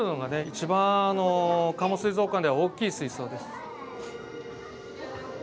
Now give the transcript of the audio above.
一番加茂水族館では大きい水槽です。